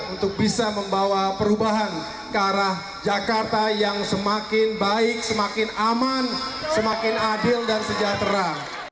untuk bisa membawa perubahan ke arah jakarta yang semakin baik semakin aman semakin adil dan sejahtera